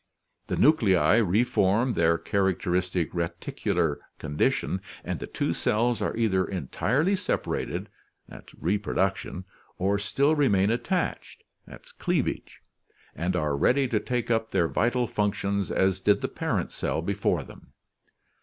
The nuclei re form their characteristic reticular condition and the two cells are either entirely separated (reproduction), or still remain attached (cleav age), and are ready to take up their vital functions as did the parent cell before them.